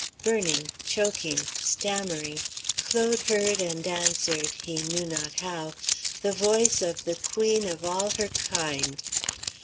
Burning, choking, stammering, Claude heard and answered, he knew not how, the voice of the queen of all her kind.